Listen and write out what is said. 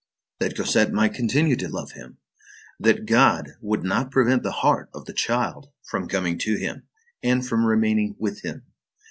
That Cosette might continue to love him! That God would not prevent the heart of the child from coming to him, and from remaining with him!